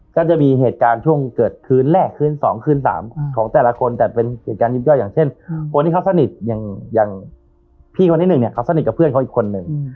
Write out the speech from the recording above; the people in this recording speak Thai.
ก็จะมีเหตุการณ์ช่วงเกิดขึ้นแรกคืน๒คืน๓ของแต่ละคนแต่เป็นเหตุการณ์ยิบย่อยอย่างเช่นคนที่เขาสนิทอย่างพี่คนที่หนึ่งเนี่ยเขาสนิทกับเพื่อนเขาอีกคนนึง